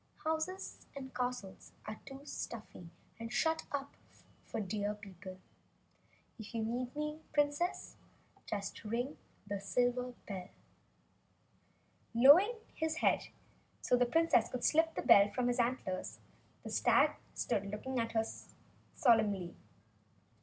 "Houses and castles are too stuffy and shut in for Deer people. If you need me, Princess, just ring the silver bell." Lowering his head so the Princess could slip the bell from his antlers, the stag stood looking at her solemnly.